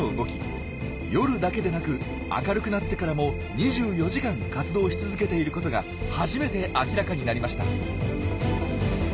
夜だけでなく明るくなってからも２４時間活動し続けていることが初めて明らかになりました。